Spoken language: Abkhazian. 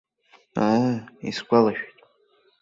Аа, исгәалашәеит.